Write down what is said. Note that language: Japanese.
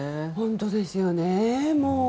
本当ですよね。